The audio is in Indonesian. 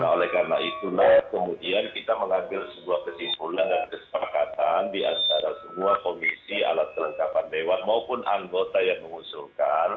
oleh karena itulah kemudian kita mengambil sebuah kesimpulan dan kesepakatan diantara semua komisi alat kelengkapan dewan maupun anggota yang mengusulkan